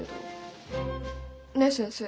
ねえ先生。